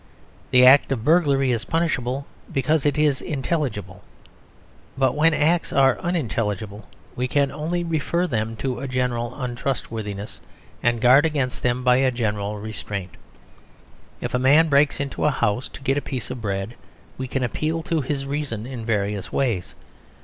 The act of burglary is punishable because it is intelligible. But when acts are unintelligible, we can only refer them to a general untrustworthiness, and guard against them by a general restraint. If a man breaks into a house to get a piece of bread, we can appeal to his reason in various ways.